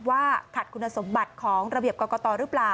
ว่าขัดคุณสมบัติของระเบียบกรกตหรือเปล่า